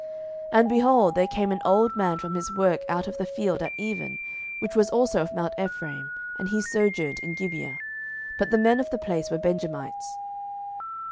07:019:016 And, behold, there came an old man from his work out of the field at even, which was also of mount Ephraim; and he sojourned in Gibeah: but the men of the place were Benjamites.